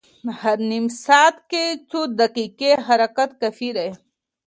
هر نیم ساعت کې څو دقیقې حرکت کافي دی.